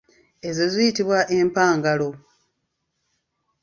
Ezo zo ziyitibwa empangalo.